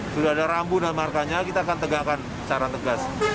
sudah ada rambu dan markanya kita akan tegakkan secara tegas